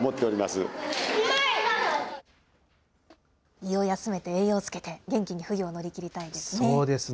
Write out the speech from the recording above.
胃を休めて、栄養つけて、元気に冬を乗り切りたいですね。